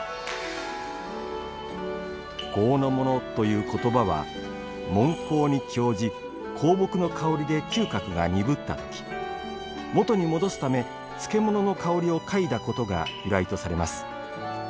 香の物という言葉は聞香に興じ香木の香りで嗅覚が鈍った時元に戻すため漬物の香りを嗅いだことが由来とされます。